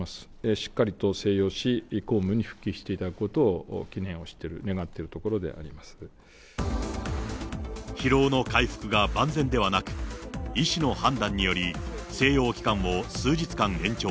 しっかりと静養し、公務に復帰していただくことを祈念をしている、願っているところ疲労の回復が万全ではなく、医師の判断により、静養期間を数日間延長。